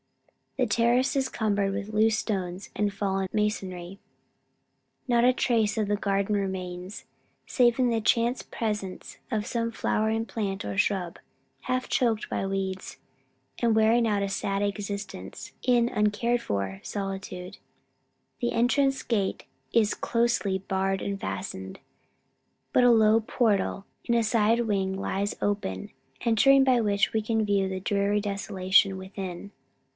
The terrace is cumbered with loose stones and fallen masonry. Not a trace of the garden remains, save in the chance presence of some flowering plant or shrub, half choked by weeds, and wearing out a sad existence in uncared for solitude. The entrance gate is closely barred and fastened, but a low portal, in a side wing, lies open, entering by which we can view the dreary desolation within.